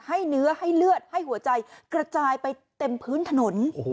ให้เนื้อให้เลือดให้หัวใจกระจายไปเต็มพื้นถนน